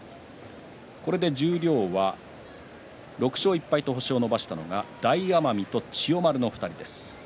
これで十両は６勝１敗と星を伸ばしたのが大奄美と千代丸の２人です。